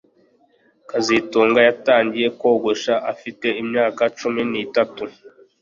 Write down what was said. kazitunga yatangiye kogosha afite imyaka cumi nitatu